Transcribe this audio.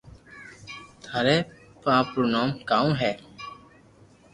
ٿاري ٻاپ رو نوم ڪاؤ ھي